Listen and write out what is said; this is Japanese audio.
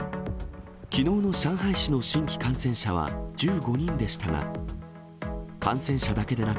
きのうの上海市の新規感染者は１５人でしたが、感染者だけでな